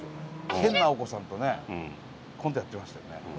研ナオコさんとねコントやっていましたよね。